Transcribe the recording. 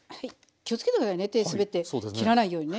気をつけて下さいね手すべって切らないようにね。